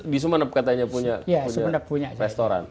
di sumeneb katanya punya restoran